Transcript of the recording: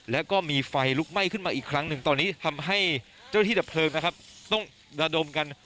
แล้วก็มีไฟลุกไหม้ขึ้นมาอีกครั้งหนึ่งตอนนี้ทำให้เจ้าหน้าที่ดับเพลิงนะครับต้องระดมกัน